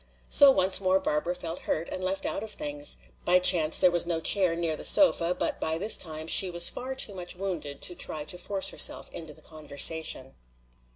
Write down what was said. So once more Barbara felt hurt and left out of things. By chance there was no chair near the sofa, but by this time she was far too much wounded to try to force herself into the conversation.